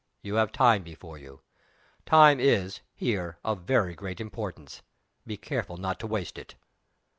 You have time before you. Time is, here, of very great importance. Be careful not to waste it."